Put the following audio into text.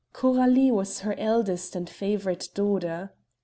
Coralie was her eldest and favorite daughter.